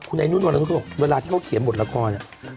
คุณไอนุนบอกเวลาที่เขาเขียนบทละคร